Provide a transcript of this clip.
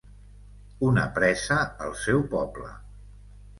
Una presa al seu poble.